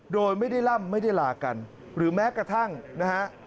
โดยไม่ได้ล่ำไม่ได้ลากันหรือแม้กระทั่งนะฮะ